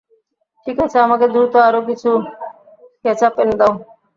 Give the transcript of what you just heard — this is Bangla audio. ঠিক আছে, আমাকে দ্রুত আরও কিছু কেচাপ এনে দাও।